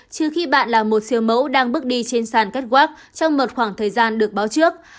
chứ khi bạn là một siêu mẫu đang bước đi trên sàn kết quác trong một khoảng thời gian được báo trước